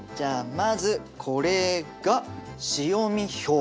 まずこれが潮見表。